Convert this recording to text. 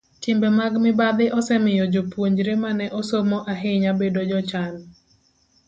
Timbe mag mibadhi osemiyo jopuonjre ma ne osomo ahinya bedo jochan.